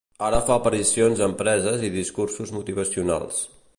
Ara fa aparicions a empreses i discursos motivacionals.